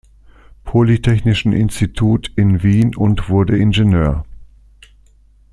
Polytechnischen Institut in Wien und wurde Ingenieur.